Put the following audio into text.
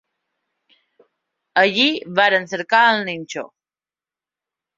Allí varen cercar el ninxo